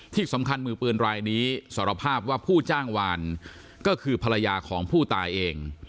ที่สำคัญมือปืนรายนี้สารภาพว่าผู้จ้างวานก็คือภรรยาของผู้ตายเอง